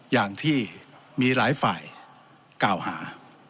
อย่างที่มีหลายฝ่ายกล่าวหา